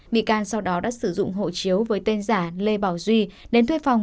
bị can sau đó đã sử dụng hộ chiếu với tên giả lê bảo duy đến thuê phòng